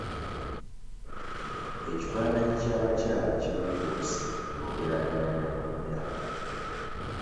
Ekifaananyi ky'abakyala kirongoose bw'ogeraageranya ku dda.